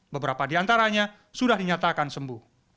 beberapa di antaranya sudah dinyatakan sembuh